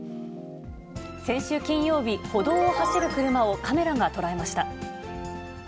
先週金曜日、歩道を走る車をカメラが捉えました。